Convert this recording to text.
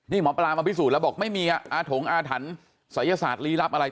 นี่หมอปลามาพิสูจน์แล้วบอกไม่มีอาถงอาถรรพ์ศัยศาสตร์ลี้ลับอะไร